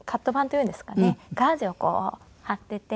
ガーゼをこう貼っていて。